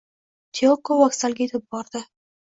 Tiyoko vokzalga etib bordi